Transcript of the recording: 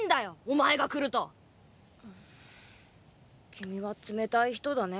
君は冷たい人だね。